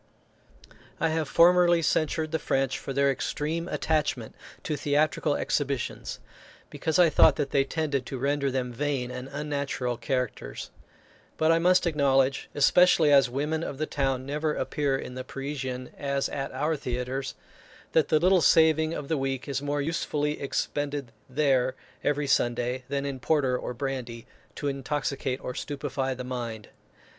I have formerly censured the French for their extreme attachment to theatrical exhibitions, because I thought that they tended to render them vain and unnatural characters; but I must acknowledge, especially as women of the town never appear in the Parisian as at our theatres, that the little saving of the week is more usefully expended there every Sunday than in porter or brandy, to intoxicate or stupify the mind.